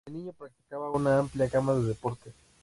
De niño, practicaba una amplia gama de deportes.